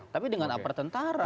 tapi dengan apartentara